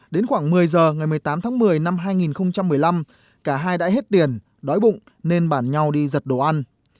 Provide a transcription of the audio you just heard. đến khoảng một mươi giờ ngày một mươi tám tháng một mươi năm hai nghìn một mươi năm cả hai đã hết tiền đói bụng nên bản nhau đi giật đồ ăn